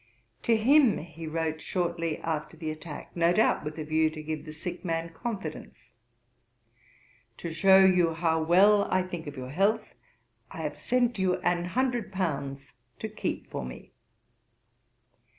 To him he wrote shortly after the attack, no doubt with a view to give the sick man confidence: 'To shew you how well I think of your health, I have sent you an hundred pounds to keep for me.'